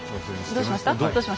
どうしました？